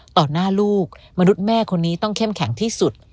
หน้าลูกมนุษย์แม่คนนี้ต้องเข้มแข็งที่สุด